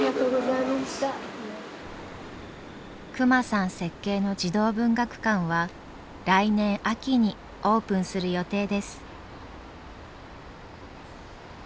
隈さん設計の児童文学館は来年秋にオープンする予定です。